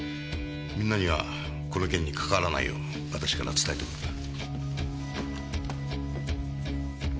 みんなにはこの件にかかわらないよう私から伝えておく。